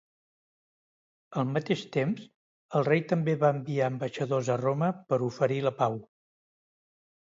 Al mateix temps, el rei també va enviar ambaixadors a Roma per oferir la pau.